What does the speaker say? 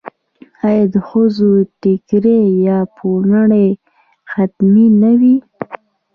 آیا د ښځو ټیکری یا پړونی حتمي نه وي؟